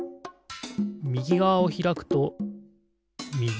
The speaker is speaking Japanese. みぎがわをひらくとみぎにころがる。